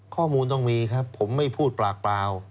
ข้อมูลต้องมีครับผมไม่พูดปากเปล่า